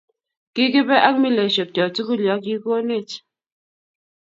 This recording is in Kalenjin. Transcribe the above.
kikibe ak milesiek cho tugul ya kikonech